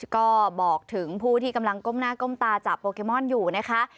ก็บอกถึงผู้ที่กำลังก้มหน้าก้มตาจับโปเกมอนอยู่นะคะ